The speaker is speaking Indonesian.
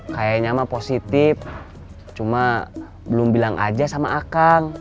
kayaknya mah positif cuma belum bilang aja sama akang